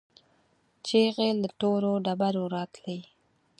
چيغې له تورو ډبرو راتلې.